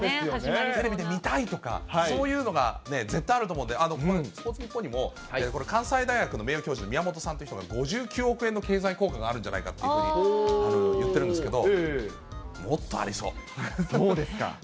テレビで見たいとか、そういうのが絶対あると思うんで、スポーツニッポンにもこれ、関西大学の名誉教授、宮本さんっていう人が５９億円の経済効果があるんじゃないかというふうに言ってるんですけど、もっとありそそうですか。